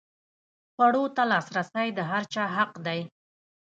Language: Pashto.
خوړو ته لاسرسی د هر چا حق دی.